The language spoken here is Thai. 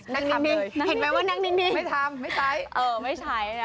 นั่งนิดนึงไม่ทำไม่ใช้